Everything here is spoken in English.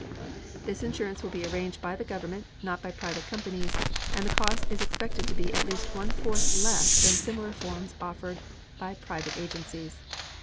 This insurance will be arranged by the government, not by private companies, and the cost is expected to be at least one fourth less than similar forms offered by private agencies.